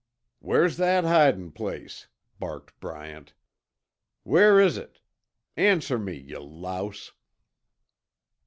"Where's that hidin' place?" barked Bryant. "Where is it? Answer me, yuh louse!"